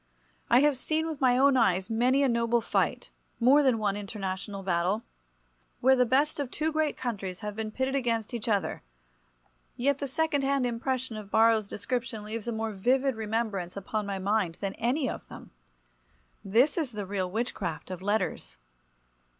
I have seen with my own eyes many a noble fight, more than one international battle, where the best of two great countries have been pitted against each other—yet the second hand impression of Borrow's description leaves a more vivid remembrance upon my mind than any of them. This is the real witchcraft of letters.